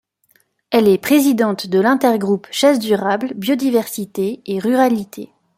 Elle est présidente de l’intergroupe chasse durable, biodiversité et ruralité.